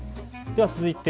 では続いて＃